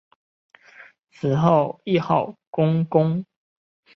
死后谥号恭公。